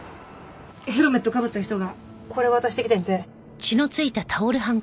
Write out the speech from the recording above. ヘルメットかぶった人がこれ渡してきてんて。